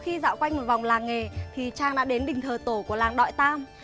khi dạo quanh một vòng làng nghề thì chàng đã đến đình thờ tổ của làng đoại tam